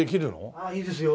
ああいいですよ。